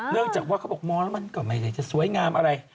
เนื่องจากว่าเขาบอกมองแล้วมันก็ไม่ได้จะสวยงามอะไร